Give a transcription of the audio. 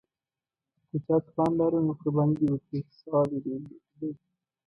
که چا توان لاره نو قرباني دې وکړي، چې ثواب یې ډېر دی.